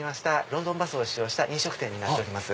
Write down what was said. ロンドンバスを使用した飲食店になっております。